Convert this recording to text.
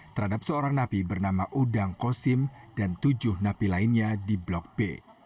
terhadap seorang napi bernama udang kosim dan tujuh napi lainnya di blok b